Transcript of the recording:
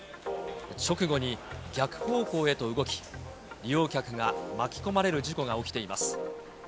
直後に逆方向へと動き、利用客が巻き込まれる事故が起きています。